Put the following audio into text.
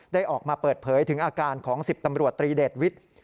ออกมาเปิดเผยถึงอาการของ๑๐ตำรวจตรีเดชวิทย์